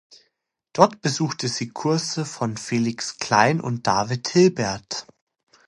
Dort besuchte sie Kurse von Felix Klein und David Hilbert.